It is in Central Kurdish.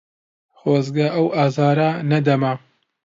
خۆزگە ئەو ئازارە نەدەما.